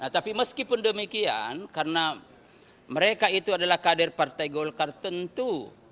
tapi meskipun demikian karena mereka itu adalah kader partai golkar tentu